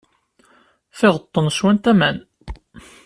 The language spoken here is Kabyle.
Tiɣeṭṭen swant aman.